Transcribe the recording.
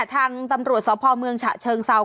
ทางตำรวจสพเมืองฉะเชิงเซา